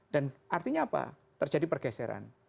dan artinya apa terjadi pergeseran